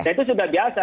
itu sudah biasa